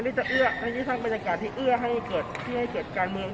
ที่จะเล่าที่ท่านเป็นการที่เอื้อให้เกิดที่ให้เกิดการเมือง